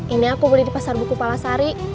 ini aku beli di pasar buku palasari